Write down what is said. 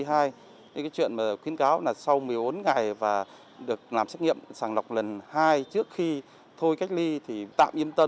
cái chuyện mà khuyến cáo là sau một mươi bốn ngày và được làm xét nghiệm sàng lọc lần hai trước khi thôi cách ly thì tạm yên tâm